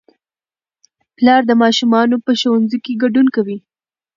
پلار د ماشومانو په ښوونځي کې ګډون کوي